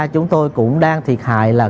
chúng tôi cũng đang thiệt hại là